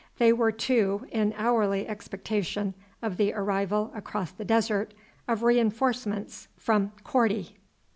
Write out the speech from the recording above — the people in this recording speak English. They were, too, in hourly expectation of the arrival across the desert of reinforcements from Korti.